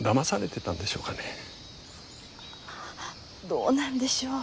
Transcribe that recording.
どうなんでしょう。